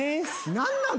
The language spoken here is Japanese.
何なん？